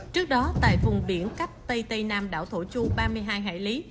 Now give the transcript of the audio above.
trước đó tại vùng biển cách tây tây nam đảo thổ chu ba mươi hai hải lý